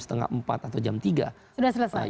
setengah empat atau jam tiga sudah selesai